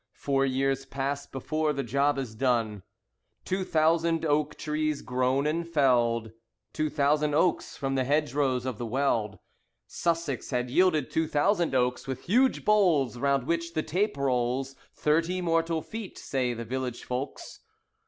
Four years pass before the job is done. Two thousand oak trees grown and felled, Two thousand oaks from the hedgerows of the Weald, Sussex had yielded two thousand oaks With huge boles Round which the tape rolls Thirty mortal feet, say the village folks.